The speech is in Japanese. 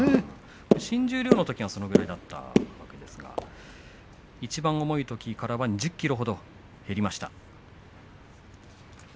新十両のときはそのぐらいだったわけですかいちばん重いときから１０ｋｇ減りました。